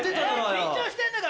緊張してんのか？